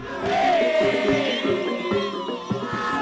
diadakan kapan saja